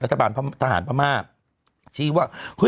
รัฐบาลประมาท